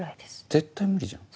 絶対無理じゃん。